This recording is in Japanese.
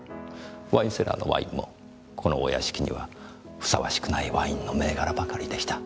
ワインセラーのワインもこのお屋敷にはふさわしくないワインの銘柄ばかりでした。